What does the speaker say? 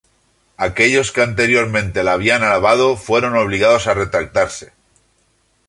Aquellos que anteriormente la habían alabado, fueron obligados a retractarse.